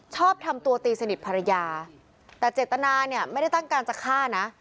ชอบทำตัวตีสนิทภรรยาแต่เจตนาเนี่ยไม่ได้ตั้งใจจะฆ่านะ